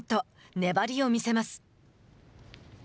粘りを見せます。